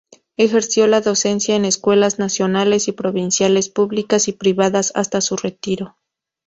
Ejerció la docencia en escuelas nacionales y provinciales, públicas y privadas hasta su retiro.